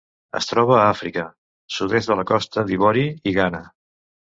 Es troba a Àfrica: sud-est de la Costa d'Ivori i Ghana.